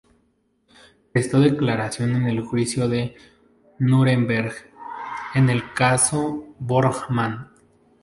Prestó declaración en el Juicio de Nuremberg, en el caso "Bormann".